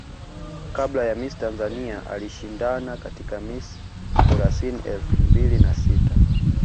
Kabla ya Miss Tanzania alishindana katika Miss Kurasini elfu mbili na sita